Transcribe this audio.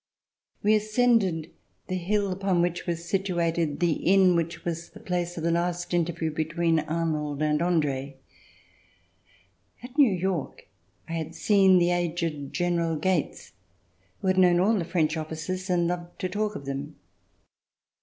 We ascended the hill upon which was situated the inn which was the place of the last interview between Arnold and Andre. At New York I had seen the aged General Gates who had known all the French officers and loved to talk of them.